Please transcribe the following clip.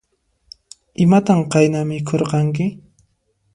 Imatan qayna mikhurqanki?